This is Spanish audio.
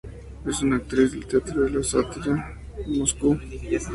Es una actriz del Teatro de la sátira de Moscú.